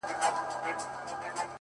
د کلې خلگ به دي څه ډول احسان ادا کړې;